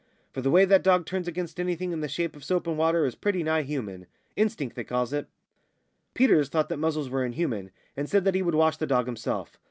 "For the way that dog turns against anything in the shape of soap and water is pretty nigh human. Instink, they calls it." Peters thought that muzzles were inhuman, and said that he would wash the dog himself.